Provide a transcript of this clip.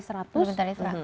lebih dari seratus ya